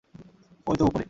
ঐ তো উপরে।